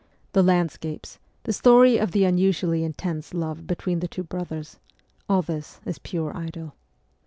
The landscapes, the story of the unusually intense love between the two brothers all this is pure idyll.